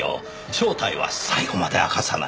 正体は最後まで明かさない。